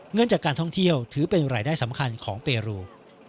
เงินจากการท่องเที่ยวถือเป็นรายได้สำคัญของเปรู